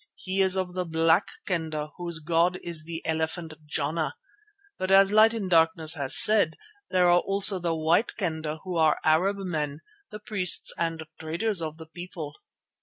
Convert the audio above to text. He is of the Black Kendah whose god is the elephant Jana, but as Light in Darkness has said, there are also the White Kendah who are Arab men, the priests and traders of the people.